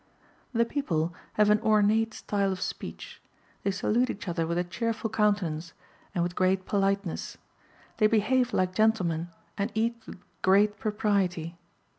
The people have an ornate style of speech ; they salute each other with a cheerful countenance, and, with great politeness ; they behave like gentlemen, and eat with great propriety.